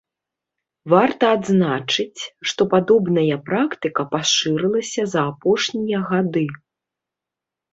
Варта адзначыць, што падобная практыка пашырылася за апошнія гады.